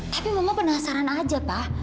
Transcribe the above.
tapi mama penasaran aja pak